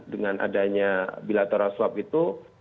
dengan adanya bilateral swab itu